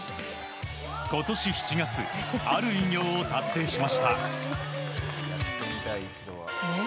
今年７月ある偉業を達成しました。